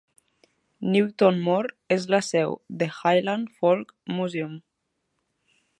Newtonmore és la seu del Highland Folk Museum.